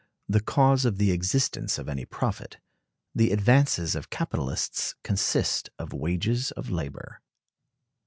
The Cause of the Existence of any Profit; the Advances of Capitalists consist of Wages of Labor.